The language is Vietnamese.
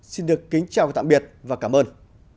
xin được kính chào tạm biệt và cảm ơn